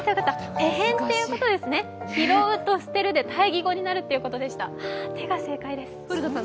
てへんということですね、拾うと捨てるで対義語になるということでした。